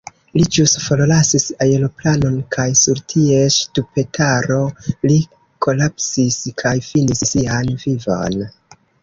Li ĵus forlasis aeroplanon kaj sur ties ŝtupetaro li kolapsis kaj finis sian vivon.